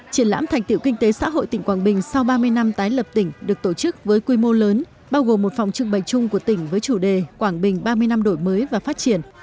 triển lãm thành tiệu kinh tế xã hội tỉnh quảng bình sau ba mươi năm tái lập tỉnh được tổ chức với quy mô lớn bao gồm một phòng trưng bày chung của tỉnh với chủ đề quảng bình ba mươi năm đổi mới và phát triển